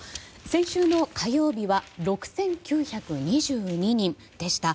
先週の火曜日は６９２２人でした。